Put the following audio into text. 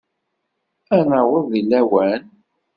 Ad naweḍ deg lawan?